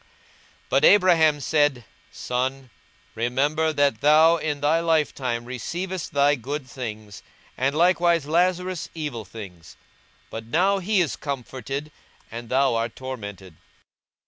42:016:025 But Abraham said, Son, remember that thou in thy lifetime receivedst thy good things, and likewise Lazarus evil things: but now he is comforted, and thou art tormented.